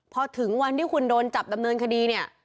พอถึงวันที่คุณโดนจับดำเนินคดีเนี่ย